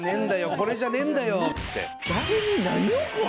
これじゃねえんだよ」っつって。